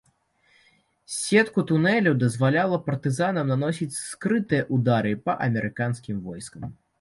Сетку тунэляў дазваляла партызанам наносіць скрытыя ўдары па амерыканскім войскам.